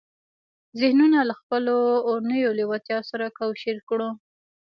ذهنونه له خپلو اورنيو لېوالتیاوو سره کوشير کړو.